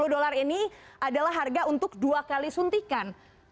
dua puluh dolar ini adalah harga untuk dua kali suntikan